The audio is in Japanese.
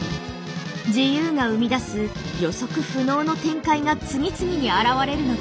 自由が生み出す予測不能の展開が次々に現れるのだ。